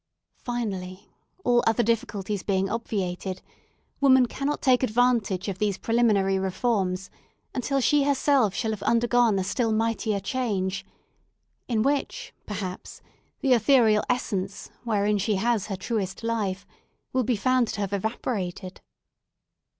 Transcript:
Finally, all other difficulties being obviated, woman cannot take advantage of these preliminary reforms until she herself shall have undergone a still mightier change, in which, perhaps, the ethereal essence, wherein she has her truest life, will be found to have evaporated.